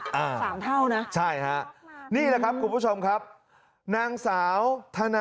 แล้วคนละราคาซึ่งต่างกันเยอะนะ๓เท่านะ